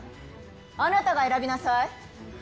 あなたが選びなさい。